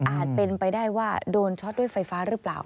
เป็นไปได้ว่าโดนช็อตด้วยไฟฟ้าหรือเปล่า